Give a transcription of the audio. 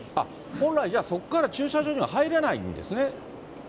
本来、じゃあそこから駐車場には入れないんですね。